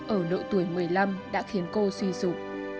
ở độ tuổi một mươi năm đã khiến cô suy sụp